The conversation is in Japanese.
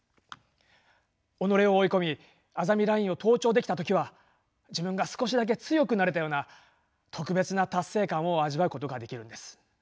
己を追い込みあざみラインを登頂できた時は自分が少しだけ強くなれたような特別な達成感を味わうことができるんです。